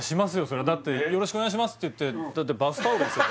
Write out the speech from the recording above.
そりゃだってよろしくお願いしますって言ってバスタオルですよ